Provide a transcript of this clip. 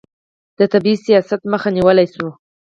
د طبي سیاحت مخه نیول شوې؟